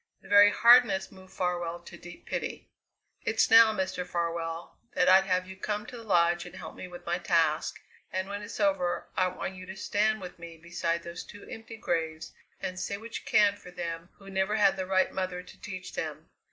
The very hardness moved Farwell to deep pity. "It's now, Mr. Farwell, that I'd have you come to the Lodge and help me with my task, and when it's over I want you to stand with me beside those two empty graves and say what you can for them who never had the right mother to teach them.